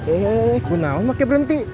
eh kenapa gak berhenti